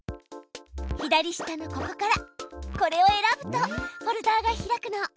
左下のここからこれを選ぶとフォルダが開くの。